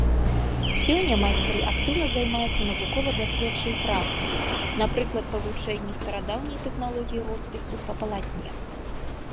Сёння майстры актыўна займаюцца навукова-даследчай працай, напрыклад, па вывучэнні старадаўняй тэхналогіі роспісу па палатне.